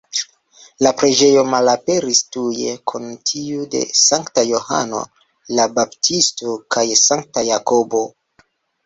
La preĝejo malaperis tuje, kun tiu de Sankta Johano la Baptisto kaj Sankta Jakobo.